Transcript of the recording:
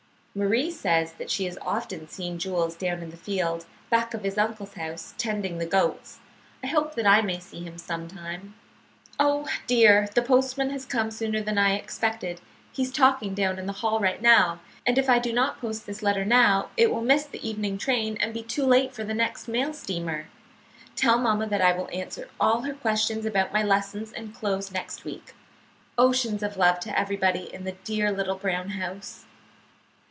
"Marie says that she has often seen Jules down in the field, back of his uncle's house, tending the goats. I hope that I may see him sometime. "Oh, dear, the postman has come sooner than I expected. He is talking down in the hall now, and if I do not post this letter now it will miss the evening train and be too late for the next mail steamer. Tell mamma that I will answer all her questions about my lessons and clothes next week. Oceans of love to everybody in the dear little brown house."